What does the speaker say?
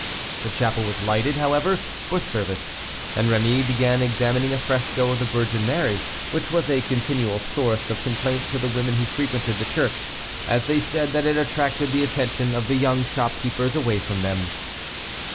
The chapel was lighted, however, for service, and Rémy began examining a fresco of the Virgin Mary, which was a continual source of complaint to the women who frequented the church, as they said that it attracted the attention of the young shopkeepers away from them.